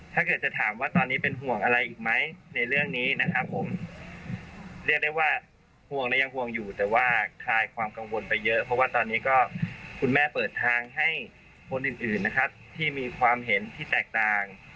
ถ้าเกิดจะถามว่าตอนนี้เป็นห่วงอะไรอีกไหมในเรื่องนี้นะครับผมเรียกได้ว่าห่วงและยังห่วงอยู่แต่ว่าคลายความกังวลไปเยอะเพราะว่าตอนนี้ก็คุณแม่เปิดทางให้คนอื่นนะครับที่มีความเห็นที่แตกต่าง